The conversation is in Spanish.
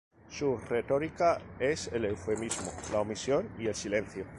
Su retórica es el eufemismo, la omisión y el silencio.